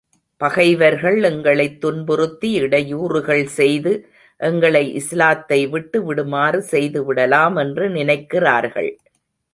பகைவர்கள் எங்களைத் துன்புறுத்தி, இடையூறுகள் செய்து, எங்களை இஸ்லாத்தை விட்டு விடுமாறு செய்து விடலாம் என்று நினைக்கிறார்கள்.